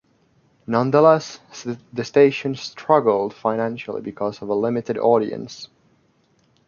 Nonetheless, the station struggled financially because of a limited audience.